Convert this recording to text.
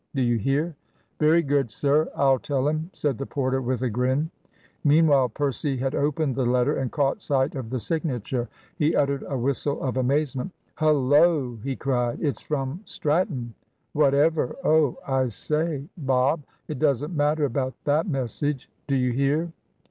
Do you hear?" "Very good, sir, I'll tell him," said the porter with a grin. Meanwhile Percy had opened the letter and caught sight of the signature. He uttered a whistle of amazement. "Hullo!" he cried, "it's from Stratton! Whatever Oh, I say, Bob, it doesn't matter about that message; do you hear!"